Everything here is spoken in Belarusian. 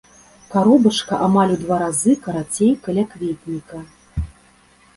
Каробачка амаль у два разы карацей калякветніка.